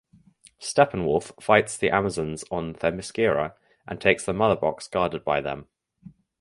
Steppenwolf fights the Amazons on Themyscira and takes the Mother Box guarded by them.